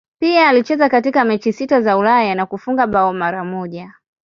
Pia alicheza katika mechi sita za Ulaya na kufunga bao mara moja.